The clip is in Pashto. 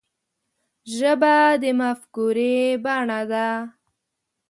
ژبه د مفکورې بڼه ده